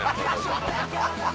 ハハハハハ！